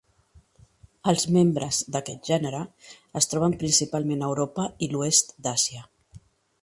Els membres d'aquest gènere es troben principalment a Europa i l'oest d'Àsia.